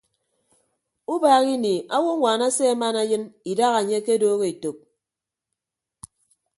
Ubaak ini awonwaan ase aman ayịn idaha anye akedooho etәk.